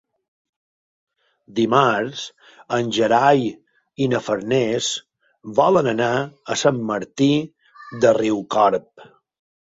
Dimarts en Gerai i na Farners volen anar a Sant Martí de Riucorb.